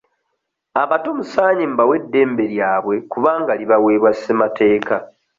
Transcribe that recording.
Abato musaanye mu bawe eddembe lyabwe kubanga libaweebwa ssemateeka.